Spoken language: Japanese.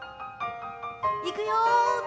いくよ。